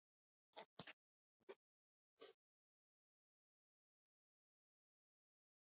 Nafarrek huts egin zuten ligako aurreneko partidan.